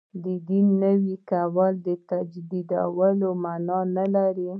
د دین نوی کول د تجدیدولو معنا نه لري.